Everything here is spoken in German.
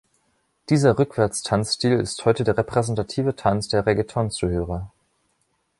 Dieser Rückwärts-Tanzstil ist heute der repräsentative Tanz der Reggaeton-Zuhörer.